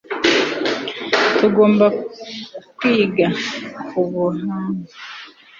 tugomba kwiga umugambi imana yagiriye umuntu katanga ka mbere ku byerekeranye n'ibizamutunga